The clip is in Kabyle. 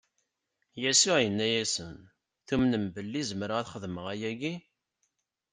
Yasuɛ inna-asen:Tumnem belli zemreɣ ad xedmeɣ ayagi?